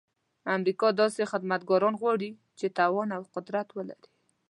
امریکا داسې خدمتګاران غواړي چې توان او قدرت ولري.